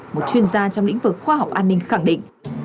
một chuyên gia trong lĩnh vực khoa học an ninh khẳng định